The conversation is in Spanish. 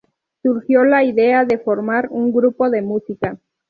Surgió la idea de formar un grupo de música.